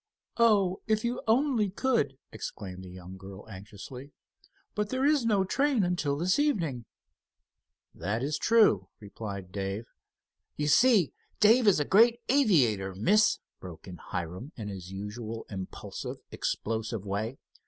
"Oh, if you only could!" exclaimed the young girl, anxiously. "But there is no train until this evening." "That is true," replied Dave. "You see, Dave is a great aviator, Miss," broke in Hiram, in his usual impulsive, explosive way.